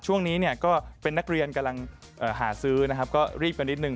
ช่วงนี้เนี่ยก็เป็นนักเรียนกำลังหาซื้อนะครับก็รีบกันนิดนึ